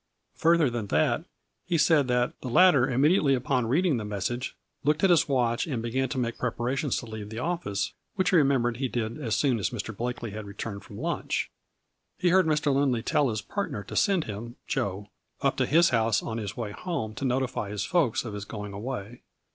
Further than that, he said that the latter immediately upon reading the message looked at his watch and began to make preparations to leave the office, which he re membered he did as soon as Mr. Blakely had returned from lunch. He heard Mr. Lindley tell his partner to send him, Joe, up to his house on his way home to notify his folks of his going away.